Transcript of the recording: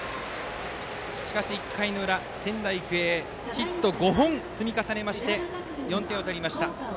しかし１回裏、仙台育英ヒット５本を積み重ねまして４点を取りました。